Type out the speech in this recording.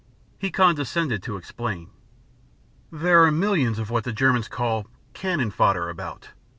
He condescended to explain. "There are millions of what the Germans call 'cannon fodder' about.